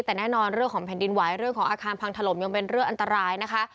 แต่แน่นอนเรื่องของแผ่นดินไหวเรื่องของอาคารพังถล่มยังเป็นเรื่องอันตรายนะคะ